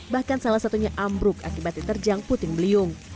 bahkan salah satunya ambruk akibat diterjang puting beliung